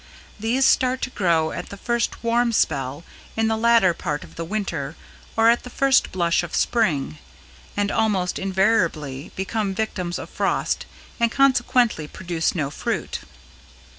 These start to grow at the first warm spell in the latter part of the Winter or at the first blush of Spring, and almost invariably become victims of frost and consequently produce no fruit.